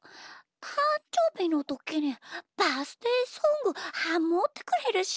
たんじょうびのときにバースデーソングハモってくれるし！